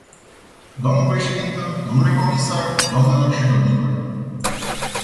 Dnă președintă, dle comisar, doamnelor și domnilor.